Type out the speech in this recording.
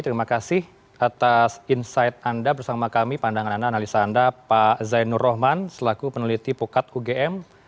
terima kasih atas insight anda bersama kami pandangan anda analisa anda pak zainur rohman selaku peneliti pukat ugm